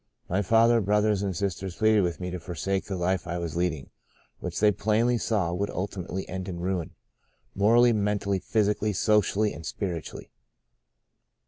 My father, brothers and sister pleaded with me to forsake the life I was leading, which they plainly saw would ulti mately end in ruin — morally, mentally, phys 156 By a Great Deliverance ically, socially and spiritually.